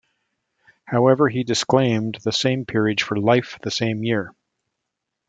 However, he disclaimed the peerage for life the same year.